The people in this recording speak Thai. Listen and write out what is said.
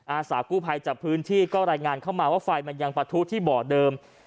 อาสากู้ภัยจากพื้นที่ก็รายงานเข้ามาว่าไฟมันยังปะทุที่บ่อเดิม